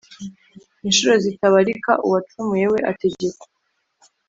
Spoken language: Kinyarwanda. inshuro zitabarika, uwacumuye we ategekwa